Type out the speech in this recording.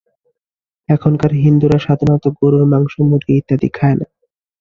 এখানকার হিন্দুরা সাধারণত গরুর মাংস, মুরগী ইত্যাদি খায় না।